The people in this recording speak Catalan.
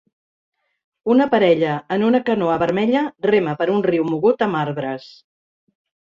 Una parella en una canoa vermella rema per un riu mogut amb arbres.